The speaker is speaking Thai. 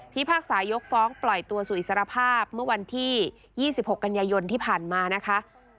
พากษายกฟ้องปล่อยตัวสู่อิสรภาพเมื่อวันที่๒๖กันยายนที่ผ่านมานะคะ